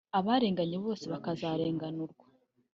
abarenganye bose bakazarenganurwa